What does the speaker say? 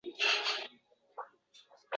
g'alati ismlar qo'yishgacha bormoqda.